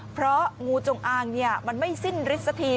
เพราะงูจงอางมันไม่สิ้นฤทธิสักที